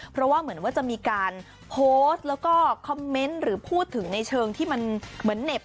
เพราะว่าเหมือนว่าจะมีการโพสต์แล้วก็คอมเมนต์หรือพูดถึงในเชิงที่มันเหมือนเหน็บ